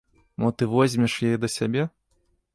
Мо ты возьмеш яе да сябе?